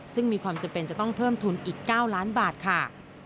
ซึ่งมีความจำเป็นจะต้องเพิ่มทุนอีก๙ล้านบาทค่ะ